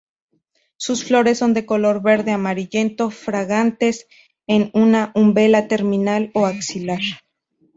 Sus flores son de color verde amarillento, fragantes, en una umbela terminal o axilar.